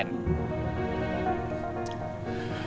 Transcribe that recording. ujung ujungnya berantem lagi aja kayak kemaren